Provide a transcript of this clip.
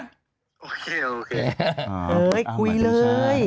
โอเคเฮ้ยกุยเลย